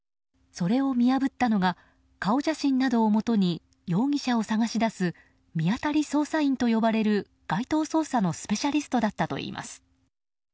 それを見破ったのが顔写真などをもとに容疑者を捜し出す見当たり捜査員と呼ばれる街頭捜査のスペシャリストだったといいます。